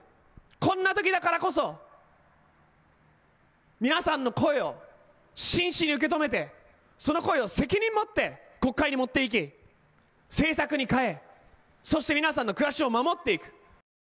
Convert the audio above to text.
こんな時だからこそ皆さんの声を真摯に受け止めて、その声を責任もって国会に持っていき政策に変え、そして皆さんの暮らしを守っていく。